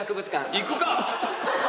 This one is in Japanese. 行くか！